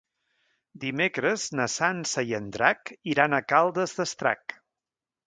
Dimecres na Sança i en Drac iran a Caldes d'Estrac.